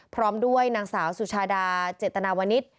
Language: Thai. พร้อมด้วยนางสาวสุชาดาเจตนาวนิษฐ์